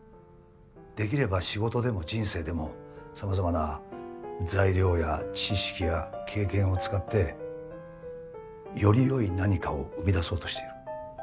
できれば仕事でも人生でも様々な材料や知識や経験を使ってよりよい何かを生み出そうとしている。